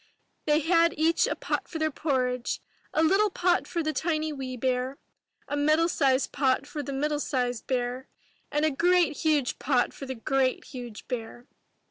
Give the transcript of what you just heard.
They had each a pot for their porridge, — a little pot for the tiny wee bear, a middle sized pot for the middle sized bear, and a great huge pot for the great huge bear.